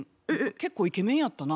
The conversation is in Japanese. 結構イケメンやったな。